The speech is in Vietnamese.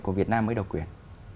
của việt nam mới độc quyền